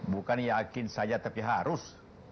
bukan yakin saja tapi harus